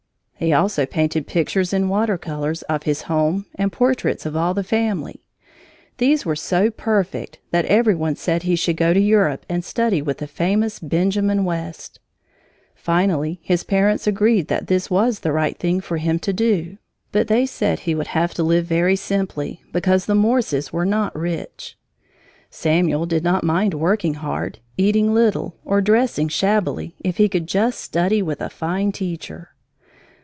He also painted pictures in water colors of his home and portraits of all the family. These were so perfect that every one said he should go to Europe and study with the famous Benjamin West. Finally his parents agreed that this was the right thing for him to do, but they said he would have to live very simply, because the Morses were not rich. Samuel did not mind working hard, eating little, or dressing shabbily, if he could just study with a fine teacher.